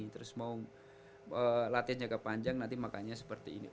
terus mau latihannya kepanjang nanti makanannya seperti ini